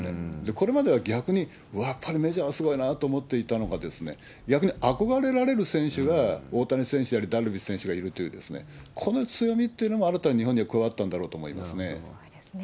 これまでは逆に、わー、やっぱりメジャーはすごいなと思っていたのが、逆に憧れられる選手が、大谷選手なり、ダルビッシュ選手がいるという、この強みってのが、新たに日本に加わったんだろうと思いますごいですね。